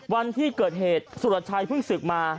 วันที่เกิดเหตุสุรชัยเพิ่งศึกมา